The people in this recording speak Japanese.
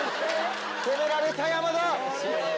止められた山田。